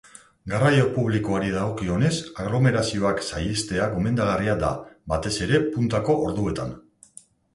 Garraio publikoari dagokionez, aglomerazioak saihestea gomendagarria da, batez ere puntako orduetan.